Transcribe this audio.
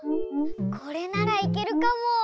これならいけるかも！